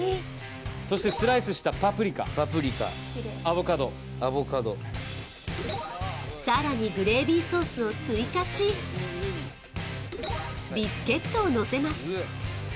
そしてスライスしたパプリカパプリカアボカドアボカドさらにグレイビーソースを追加しビスケットをのせます